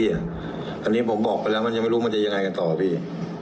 พี่เคลียร์พี่อ่ะอันนี้ผมบอกไปแล้วมันยังไม่รู้มันจะยังไงกันต่อพี่